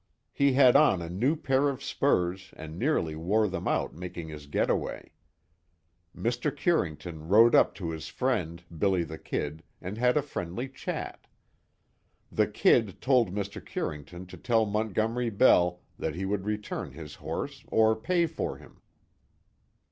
He had on a new pair of spurs and nearly wore them out making his get away. Mr. Curington rode up to his friend, "Billy the Kid," and had a friendly chat. The "Kid" told Mr. Curington to tell Montgomery Bell that he would return his horse, or pay for him.